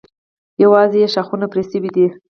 یوازې یې ښاخونه پرې شوي دي.